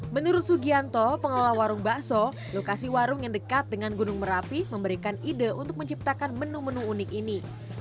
menurut sugianto pengelola warung bakso lokasi warung yang dekat dengan gunung merapi memberikan ide untuk menciptakan menu menu unik ini